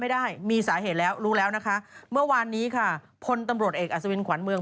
ไม่ได้มีสาเหตุแล้วรู้แล้วนะคะเมื่อวานนี้ค่ะพลตำรวจเอกอัศวินขวัญเมือง